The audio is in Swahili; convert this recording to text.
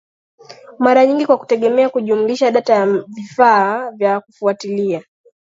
mara nyingi kwa kutegemea kujumlisha data ya vifaa vya kufuatilia